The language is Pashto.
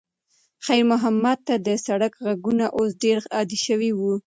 خیر محمد ته د سړک غږونه اوس ډېر عادي شوي وو.